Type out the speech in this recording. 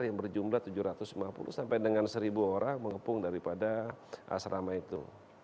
yang berjumlah tujuh ratus lima puluh sampai dengan seribu orang mengepung daripada asrama itu